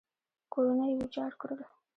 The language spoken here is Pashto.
کورونه یې ویجاړ کړل.